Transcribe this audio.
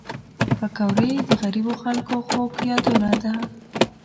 پکورې د غریبو خلک خوږ یادونه ده